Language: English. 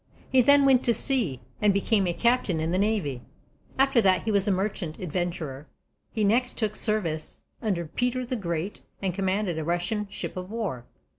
He then went to sea, and became a Captain in the Navy; after that he was a Merchant Adventurer. He next took service under Peter the Great, and commanded a Russian ship of war.